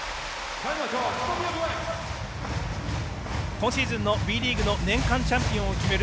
今シーズンのＢリーグの年間チャンピオンを決める